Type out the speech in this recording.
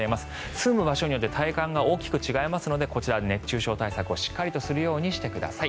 住む場所によっては体感が大きく違いますので熱中症対策をしっかりするようにしてください。